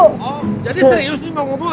oh jadi serius nih mau ngebut